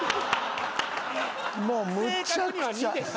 もうむちゃくちゃ。